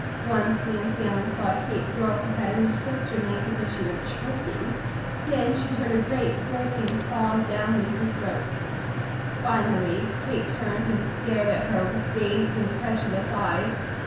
Once Nancy Ellen saw Kate throw up her head and twist her neck as if she were choking; then she heard a great gulping sob down in her throat; finally Kate turned and stared at her with dazed, incredulous eyes.